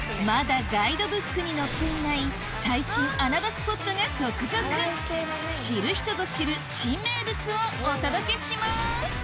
まだガイドブックに載っていない最新・穴場スポットが続々知る人ぞ知る新名物をお届けします